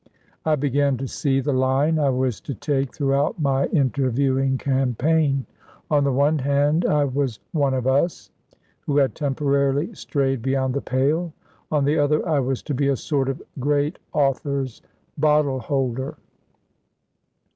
I began to see the line I was to take throughout my interviewing campaign. On the one hand, I was "one of us," who had temporarily strayed beyond the pale; on the other, I was to be a sort of great author's bottle holder.